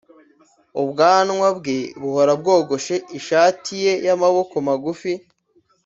ubwanwa bwe buhora bwogoshe ishati ye y’amaboko magufi